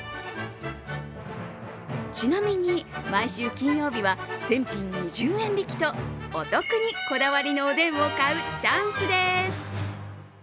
ちなみに、毎週金曜日は全品２０円引きとお得にこだわりのおでんを買うチャンスです。